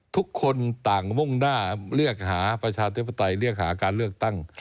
ทุกคนต่างมุ่งหน้าเรียกหาประชาธิปไตยเรียกหาการเลือกตั้ง